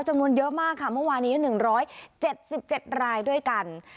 จำนวนเยอะมากค่ะเมื่อวานนี้๑๗๗รายด้วยกัน